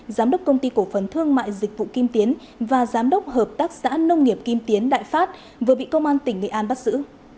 giám đốc công ty cổ phần thương mại dịch vụ kim tiến và giám đốc hợp tác xã nông nghiệp kim tiến đại phát vừa bị công an tỉnh nghệ an bắt giữ